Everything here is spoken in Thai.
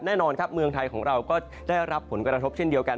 แน่นอนครับเมืองไทยของเราก็ได้รับผลกระทบเช่นเดียวกัน